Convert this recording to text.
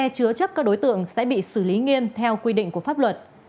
chứa chấp các đối tượng sẽ bị xử lý nghiêm theo quy định của pháp luật